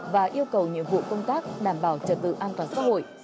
và yêu cầu nhiệm vụ công tác đảm bảo trật tự an toàn xã hội